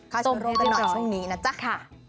ค่าเชื้อโรคไปหนอช่วงนี้นะจ๊ะ